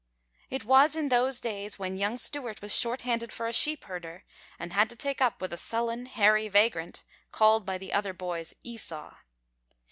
It was in those days when young Stewart was short handed for a sheep herder, and had to take up with a sullen, hairy vagrant, called by the other boys "Esau."